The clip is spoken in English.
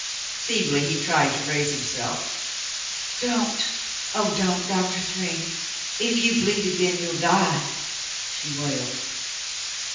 Feebly he tried to raise himself. "Don't, oh, don't, Doctah Thryng. If you bleed again, you'll die," she wailed.